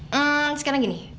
hmm sekarang gini